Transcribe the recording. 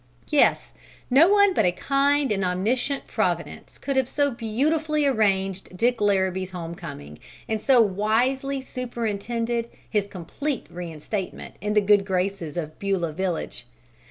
Yes, no one but a kind and omniscient Providence could have so beautifully arranged Dick Larrabee's homecoming, and so wisely superintended his complete reinstatement in the good graces of Beulah village.